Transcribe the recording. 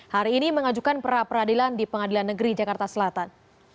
hari ini mengajukan perapradilan di pengadilan negeri jakarta selatan